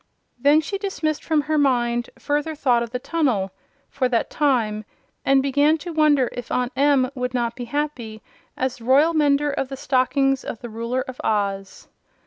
Then she dismissed from her mind further thought of the tunnel, for that time, and began to wonder if Aunt Em would not be happy as Royal Mender of the Stockings of the Ruler of Oz.